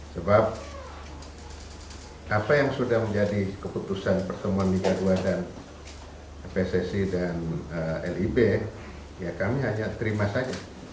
sebab apa yang sudah menjadi keputusan pertemuan liga dua dan pssi dan lib ya kami hanya terima saja